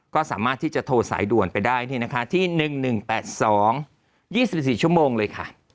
ก็สามารถที่จะโทรสายด่วนไปได้ที่๑๑๘๒๒๔ชั่วโมงเลยค่ะ